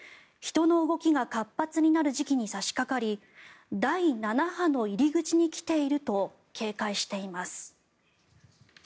人の動きが活発になる時期に差しかかり第７波の入り口に来ていると警戒しています。